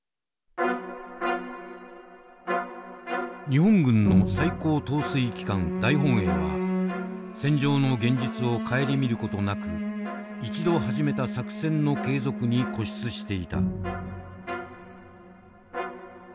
日本軍の最高統帥機関大本営は戦場の現実を顧みる事なく一度始めた作戦の継続に固執していた。